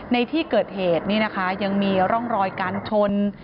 ในที่เกิดเหตุนี่นะคะยังมีร่องรอยการชน